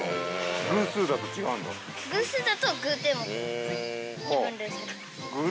偶数だと違うんだ？